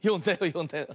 よんだよね？